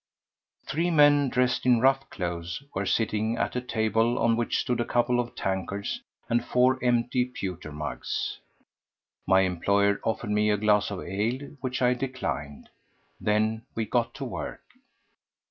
Three men dressed in rough clothes were sitting at a table on which stood a couple of tankards and four empty pewter mugs. My employer offered me a glass of ale, which I declined. Then we got to work.